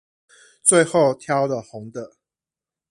最後挑了紅的